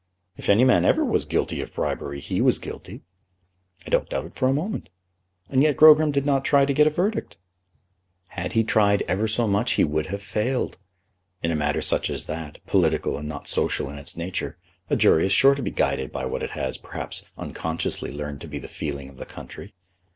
"If any man ever was guilty of bribery, he was guilty!" "I don't doubt it for a moment." "And yet Grogram did not try to get a verdict." "Had he tried ever so much he would have failed. In a matter such as that, political and not social in its nature, a jury is sure to be guided by what it has, perhaps unconsciously, learned to be the feeling of the country.